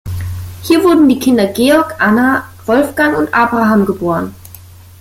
Hier wurden die Kinder Georg, Anna, Wolfgang und Abraham geboren.